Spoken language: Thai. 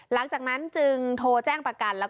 หลังจากนั้นจึงโทรแจ้งประกัน